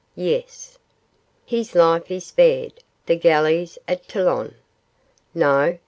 Yes. His life is spared. The galleys at Toulon? No.